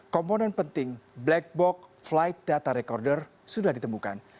komponen penting black box flight data recorder sudah ditemukan